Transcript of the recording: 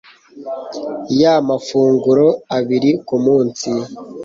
Ya mafunguro abiri ku munsi